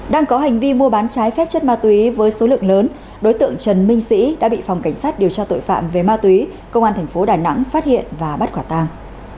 đang có hành vi mua bán trái phép chất ma túy với số lượng lớn đối tượng trần minh sĩ đã bị phòng cảnh sát điều tra tội phạm về ma túy công an thành phố đà nẵng phát hiện và bắt quả tàng